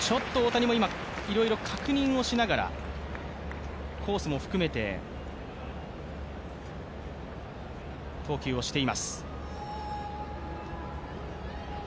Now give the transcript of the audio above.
ちょっと大谷もいろいろ確認をしながらコースも含めて投球をしています。